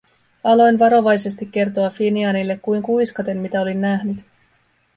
Aloin varovasti kertoa Finianille kuin kuiskaten, mitä olin nähnyt.